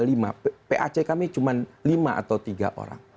di dpd kami cuma lima atau tiga orang